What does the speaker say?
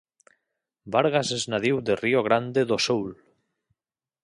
Vargas és nadiu de Rio Grande do Sul.